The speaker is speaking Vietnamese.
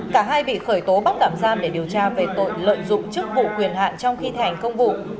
cả hai bị khởi tố bắt tạm giam để điều tra về tội lợi dụng chức vụ quyền hạn trong khi thành công vụ